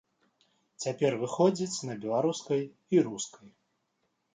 Цяпер выходзіць на беларускай і рускай.